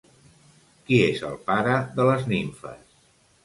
Qui és el pare de les nimfes?